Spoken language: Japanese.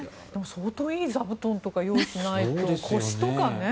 相当いい座布団とか用意しないと腰とかね。